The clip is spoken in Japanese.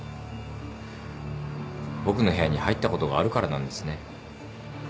僕の部屋に入ったことがあるからなんですね。